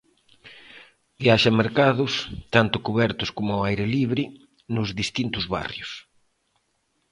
Que haxa mercados, tanto cubertos como ao aire libre nos distintos barrios.